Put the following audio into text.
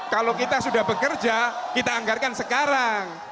kalau kita sudah bekerja kita anggarkan sekarang